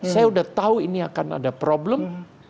saya udah tau ini akan ada problem